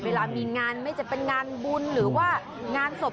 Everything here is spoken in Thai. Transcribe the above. เวลามีงานไม่จะเป็นงานบุญหรือว่างานศพ